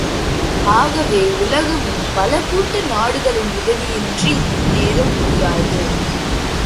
ஆகவே உலகமும் பலகூட்டு நாடுகளின் உதவியின்றி முன்னேற முடியாது.